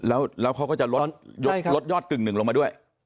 แล้วเขาก็จะลดยอดกึ่งหนึ่งลงมาด้วย